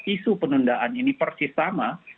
isu penundaan ini persis sama